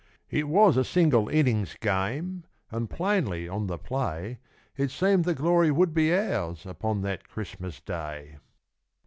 It was a single innings game, and plainly on the play It seemed the glory would be ours upon that Christmas Day.